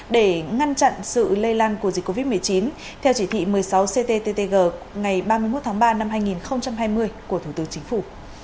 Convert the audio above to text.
để ngăn chặn sự lây lan của dịch covid một mươi chín theo chỉ thị một mươi sáu cttg ngày ba mươi một tháng ba năm hai nghìn hai mươi của thủ tướng chính phủ